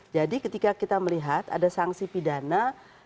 jadi ketika kita melihat ada sanksi pidana